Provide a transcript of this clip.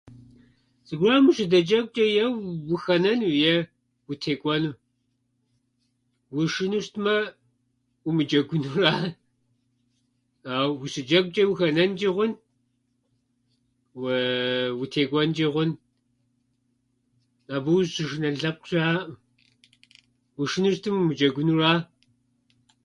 Зыгуэрым ущыдэджэгучӏэ е уухэнэну е утекӏуэну. Ушынэу щытмэ, умыджэгунура, ауэ ущыджэгучӏэ ухэнэнчӏи хъун уыы- утекӏуэнчӏи хъун. Абы ущӏыщышынэн лъэпкъ щыӏэӏым. Ушынэу щытым, умыджэгунура.